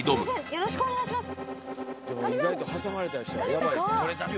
よろしくお願いします